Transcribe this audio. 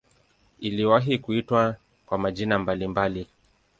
Iliwahi kuitwa kwa majina mbalimbali.